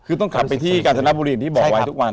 คือต้องขับไปที่กาญจนบุรีอย่างที่บอกไว้ทุกวัน